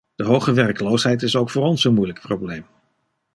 De hoge werkloosheid is ook voor ons een moeilijk probleem.